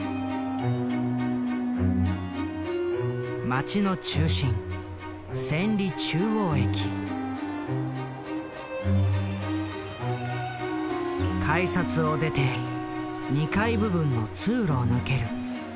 町の中心改札を出て２階部分の通路を抜ける。